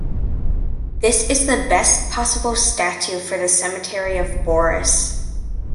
This is the best possible statue for the cemetery of Boris.